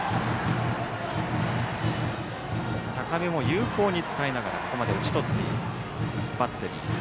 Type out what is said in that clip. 高めも有効に使いながらここまで打ち取っているバッテリー。